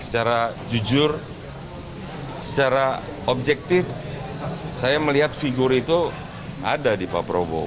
secara jujur secara objektif saya melihat figur itu ada di pak prabowo